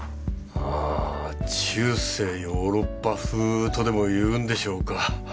あ中世ヨーロッパ風とでもいうんでしょうか。